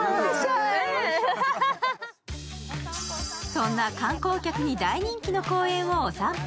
そんな観光客に大人気の公園をお散歩。